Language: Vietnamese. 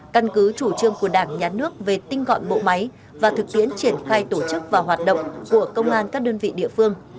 căn cứ chủ trương của đảng nhà nước về tinh gọn bộ máy và thực tiễn triển khai tổ chức và hoạt động của công an các đơn vị địa phương